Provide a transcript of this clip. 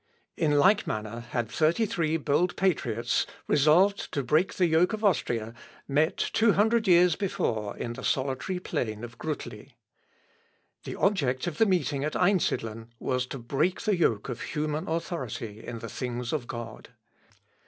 In like manner had thirty three bold patriots, resolved to break the yoke of Austria, met two hundred years before in the solitary plain of Grutli. The object of the meeting at Einsidlen was to break the yoke of human authority in the things of God.